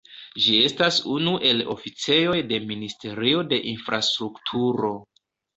Ĝi estas unu el oficejoj de ministerio de infrastrukturo.